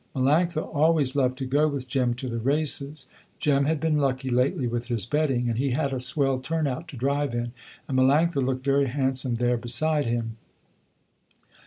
Melanctha always loved to go with Jem to the races. Jem had been lucky lately with his betting, and he had a swell turn out to drive in, and Melanctha looked very handsome there beside him.